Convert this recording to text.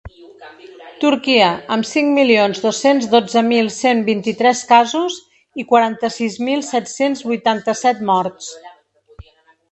Turquia, amb cinc milions dos-cents dotze mil cent vint-i-tres casos i quaranta-sis mil set-cents vuitanta-set morts.